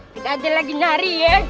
kita ada lagi nari ya